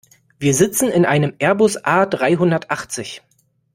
Wir sitzen in einem Airbus A-dreihundertachtzig.